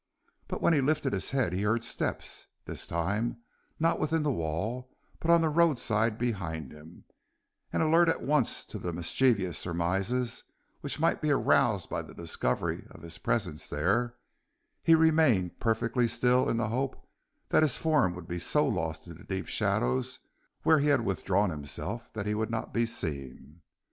But when he lifted his head he heard steps, this time not within the wall but on the roadside behind him, and alert at once to the mischievous surmises which might be aroused by the discovery of his presence there, he remained perfectly still in the hope that his form would be so lost in the deep shadows where he had withdrawn himself, that he would not be seen.